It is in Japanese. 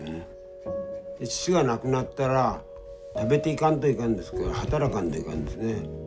父が亡くなったら食べていかんといかんですから働かんといかんですね。